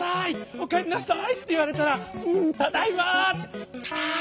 「おかえりなさい」っていわれたら「うんただいま」。